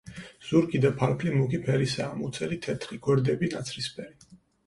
ზურგი და ფარფლი მუქი ფერისაა, მუცელი თეთრი, გვერდები ნაცრისფერი.